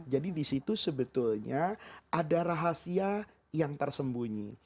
jadi disitu sebetulnya ada rahasia yang tersembunyi